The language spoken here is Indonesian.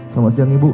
selamat siang ibu